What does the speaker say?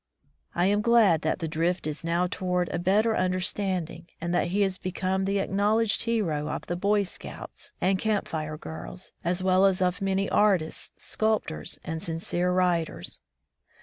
I am glad that the drift is now toward a better under standing, and that he is become the ac 188 The Soul of the White Man knowledged hero of the Boy Scouts and Camp Fire Girls, as well as of many artists, sculptors, and sincere writers.